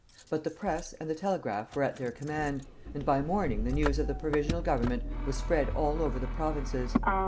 But the Press and the telegraph were at their command, and by morning the news of the Provisional Government was spread all over the provinces.